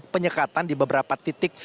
penyekatan di beberapa titik